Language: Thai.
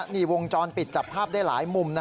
นี่วงจรปิดจับภาพได้หลายมุม